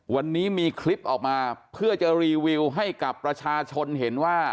วันนี้มีคลิปออกมาเพื่อจะรีวิวให้กับประชาชนเห็นว่า